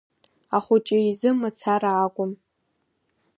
Ахәыҷы изы мацара акәым…